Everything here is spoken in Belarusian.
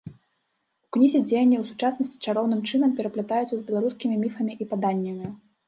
У кнізе дзеянні ў сучаснасці чароўным чынам пераплятаюцца з беларускімі міфамі і паданнямі.